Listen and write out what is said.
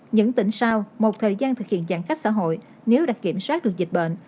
những tỉnh sau một thời gian thực hiện giãn cách xã hội nếu đã kiểm soát được dịch bệnh